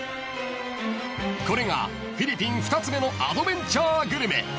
［これがフィリピン２つ目のアドベンチャーグルメ］